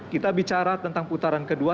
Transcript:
kita bicara tentang putaran kedua